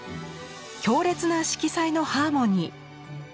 強烈な色彩のハーモニー。